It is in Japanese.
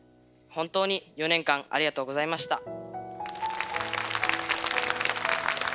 本当に４年間ありがとうございました。